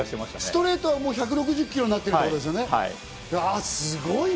ストレートは１６０キロになってるってことですね、すごいな。